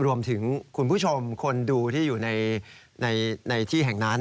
คุณผู้ชมคนดูที่อยู่ในที่แห่งนั้น